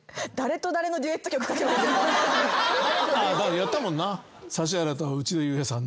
やったもんな。